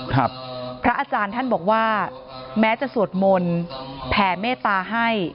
พระอาจารย์ท่านบอกว่าแม้จะสวดมนต์แผ่เมตตาให้